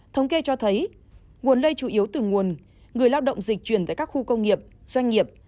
thống kê cho thấy nguồn lây chủ yếu từ nguồn người lao động dịch truyền tại các khu công nghiệp doanh nghiệp